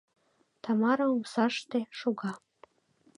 Тамара омсаште шога.